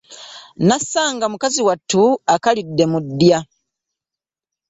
Nasanga mukazi wattu akkalidde mu ddya.